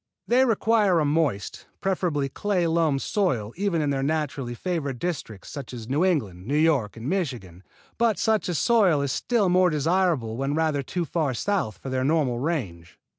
They require a moist, preferably clay loam soil even in their naturally favored districts, such as New England, New York and Michigan, but such a soil is still more desirable when rather too far south for their normal range.